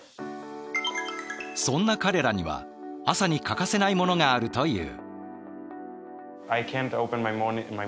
そんな彼らには朝に欠かせないものがあるという。